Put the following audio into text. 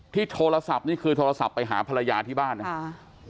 โทรศัพท์นี่คือโทรศัพท์ไปหาภรรยาที่บ้านนะครับ